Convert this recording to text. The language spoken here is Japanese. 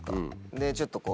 でちょっとこう。